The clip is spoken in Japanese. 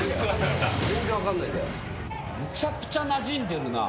めちゃくちゃなじんでるな。